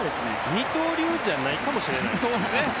二刀流じゃないかもしれないですね。